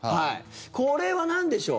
これはなんでしょう。